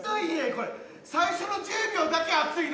最初の１０秒だけ、熱いの。